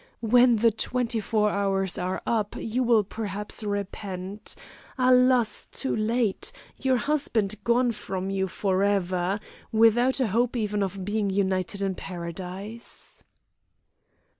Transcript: When the twenty four hours are up, you will perhaps repent! Alas! Too late. Your husband gone from you forever! Without a hope even of being united in paradise."